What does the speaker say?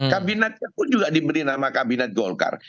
kabinatnya pun juga diberi nama kabinat golkar